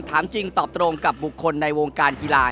ถามจริงตอบตรงกับบุคคลในวงการกีฬา